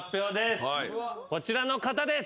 こちらの方です！